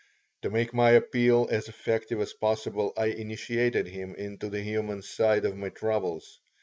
To make my appeal as effective as possible I initiated him into the human side of my troubles.